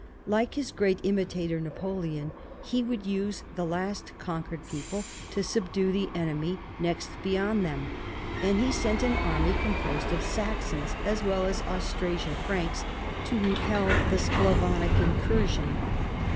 Like his great imitator. Napoleon, he would use the last conquered people to subdue the enemy next beyond them, and he sent an army composed of Saxons as well as Austrasian Franks to repel the Sclavonic incursion.